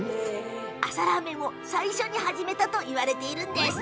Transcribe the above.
朝ラーメンを最初に始めたといわれているんです。